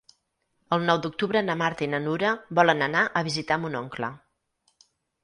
El nou d'octubre na Marta i na Nura volen anar a visitar mon oncle.